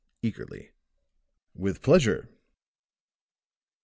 eagerly. "With pleasure."